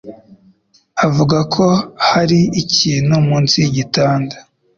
Avuga ko hari ikintu munsi yigitanda.